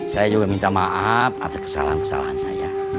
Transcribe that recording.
saya juga minta maaf atas kesalahan kesalahan saya